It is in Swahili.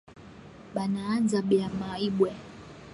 Banaanza bya ma ibwe